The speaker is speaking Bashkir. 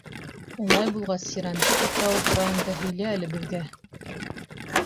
— Улай булғас, Сирандип утрауы тураһында һөйлә әле беҙгә.